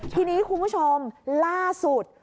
ทีนี้คุณผู้ชมล่าสุด